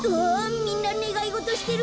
みんなねがいごとしてる！